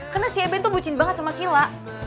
karena si eben tuh bucin banget sama sila